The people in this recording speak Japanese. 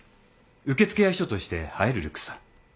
受付や秘書として映えるルックスだ。